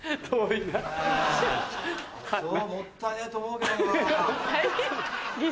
もったいねえと思うけどなぁ。